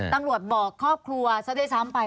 ตำรวจบอกครอบครัวซะด้วยซ้ำไป